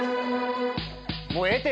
もうええて。